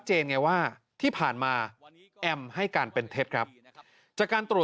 หาไม่เจอ